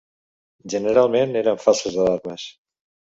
Generalment eren falses alarmes